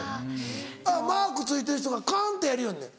マークついてる人がカンってやりよんねん。